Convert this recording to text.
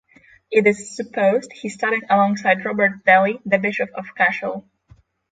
It is supposed he studied alongside Robert Daly the Bishop of Cashel.